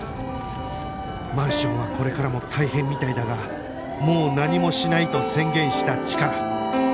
マンションはこれからも大変みたいだがもう何もしないと宣言したチカラ